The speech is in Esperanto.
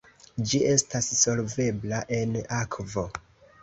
Ĝi estas solvebla en akvo.